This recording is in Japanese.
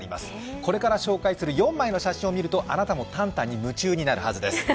これから紹介する４枚の写真を見るとあなたもタンタンに夢中になるはずです。